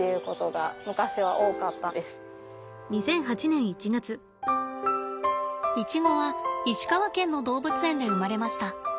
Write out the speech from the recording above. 手出してイチゴは石川県の動物園で生まれました。